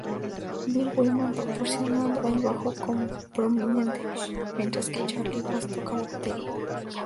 Bill Wyman proporcionando el bajo prominente mientras que Charlie Watts toca la batería.